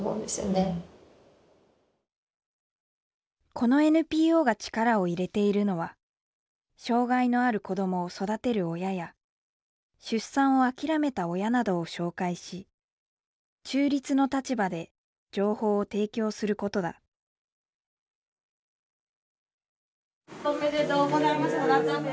このＮＰＯが力を入れているのは障害のある子どもを育てる親や出産を諦めた親などを紹介し中立の立場で情報を提供することだおめでとうございます。